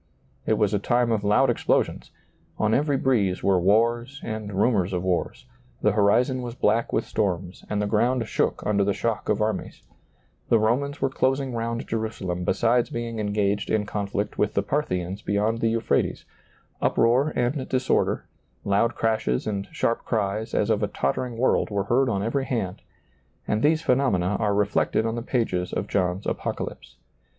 It was a time of loud explosions ; on every breeze were wars and rumors of wars ; the horizon was black with storms and the ground shook under the shock of armies; the Romans were closing round Jerusalem besides being engaged in conflict with the Parthians be yond the Euphrates; uproar and disorder, loud crashes and sharp cries as of a tottering world were heard on every hand ; and these phenomena are reflected on the pages of John's Apocalypse.